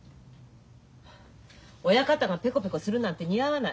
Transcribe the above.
親方がペコペコするなんて似合わない。